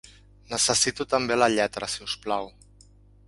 Necessito també la lletra, si us plau.